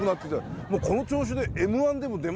もうこの調子で。